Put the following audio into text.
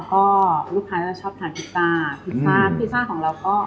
ก็คือแป้งรับประทำเอง